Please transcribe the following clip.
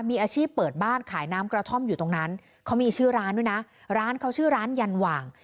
มีอาชีพเปิดบ้านขายน้ำกระท่อมอยู่ตรงนั้นเขามีชื่อร้านด้วยนะร้านเขาชื่อร้านยันหว่าง